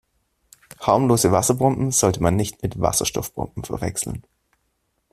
Harmlose Wasserbomben sollte man nicht mit Wasserstoffbomben verwechseln.